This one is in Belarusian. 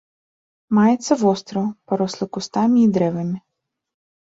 Маецца востраў, парослы кустамі і дрэвамі.